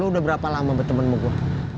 lo udah berapa lama bertemanmu gue